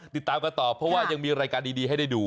ติดตามกันต่อเพราะว่ายังมีรายการดีให้ได้ดู